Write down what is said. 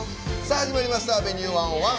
始まりました「Ｖｅｎｕｅ１０１」。